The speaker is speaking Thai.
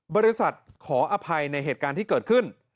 บริษัทขออภัยในเหตุการณ์ที่เกิดขึ้น